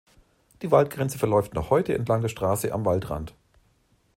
Die Waldgrenze verläuft noch heute entlang der Straße „Am Waldrand“.